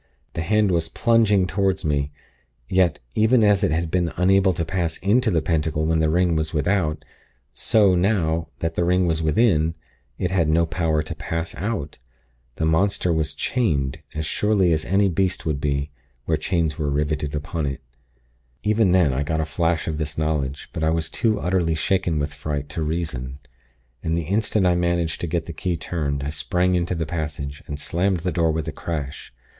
The hand was plunging toward me; yet, even as it had been unable to pass into the Pentacle when the ring was without, so, now that the ring was within, it had no power to pass out. The monster was chained, as surely as any beast would be, were chains riveted upon it. "Even then, I got a flash of this knowledge; but I was too utterly shaken with fright, to reason; and the instant I managed to get the key turned, I sprang into the passage, and slammed the door with a crash.